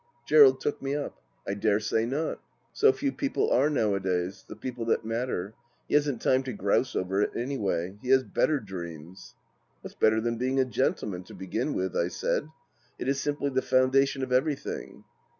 Gerald took me up. " I dare say not. So few people are nowadays — the people that matter. He hasn't time to grouse over it, any way. He has better dreams." " What's better than being a gentleman, to begin with?" I said. " It is simply the foundation of everything."